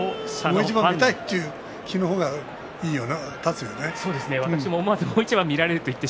もう一番見たいという気の方が勝つよね。